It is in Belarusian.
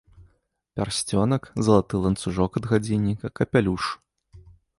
Пярсцёнак, залаты ланцужок ад гадзінніка, капялюш.